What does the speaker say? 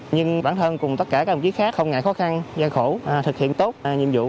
nhưng bản thân cùng tất cả các đồng chí khác không ngại khó khăn gian khổ thực hiện tốt nhiệm vụ